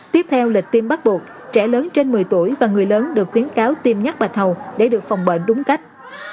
tiếp theo lịch tiêm bắt buộc trẻ lớn trên một mươi tuổi và người lớn được khuyến cáo tiêm nhắc bạch hầu để được phòng bệnh đúng cách